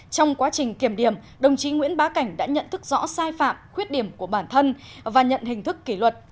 trong quá trình kiểm điểm đồng chí nguyễn bá cảnh đã nhận thức rõ sai phạm khuyết điểm của bản thân và nhận hình thức kỷ luật